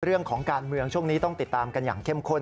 เรื่องของการเมืองช่วงนี้ต้องติดตามกันอย่างเข้มข้น